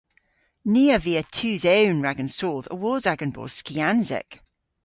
Ni a via tus ewn rag an soodh awos agan bos skiansek.